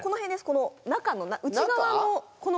この中の内側の中？